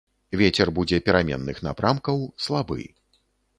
Вецер будзе пераменных напрамкаў, слабы.